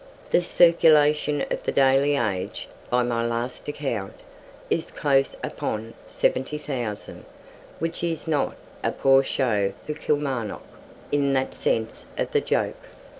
The circulation of the daily "Age", by my last account, is close upon 70,000, which is not "a poor show for Kilmarnock," in that sense of the joke.